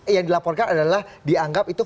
yang dilaporkan adalah dianggap itu